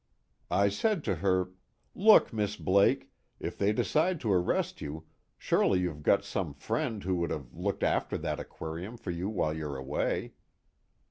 I said to her: 'Look, Miss Blake, if they decide to arrest you, surely you've got some friend who would have looked after that aquarium for you while you're away.'